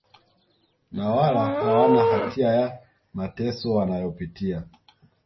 na wala hawana hatia ya mateso wanayopitia